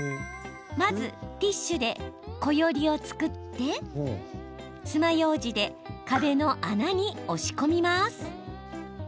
まず、ティッシュでこよりを作ってつまようじで壁の穴に押し込みます。